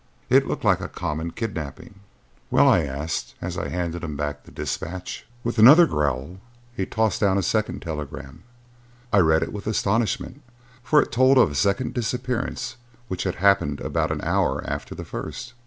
It looked like a common kidnapping. "Well?" I asked as I handed him back the dispatch. With another growl he tossed down a second telegram. I read it with astonishment, for it told of a second disappearance which had happened about an hour after the first.